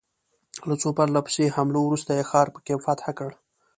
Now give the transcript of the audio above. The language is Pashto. له څو پرله پسې حملو وروسته یې ښار په کې فتح کړ.